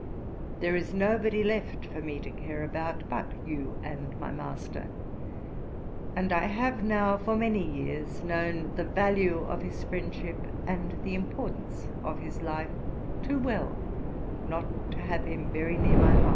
There is nobody left for me to care about but you and my master, and I have now for many years known the value of his friendship, and the importance of his life, too well not to have him very near my heart.'